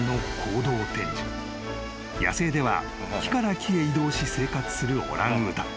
［野生では木から木へ移動し生活するオランウータン］